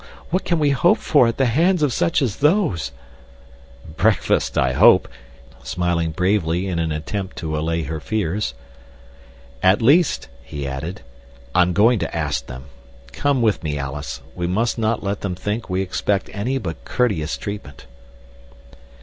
What can we hope for at the hands of such as those?" "Breakfast, I hope," he answered, smiling bravely in an attempt to allay her fears. "At least," he added, "I'm going to ask them. Come with me, Alice. We must not let them think we expect any but courteous treatment."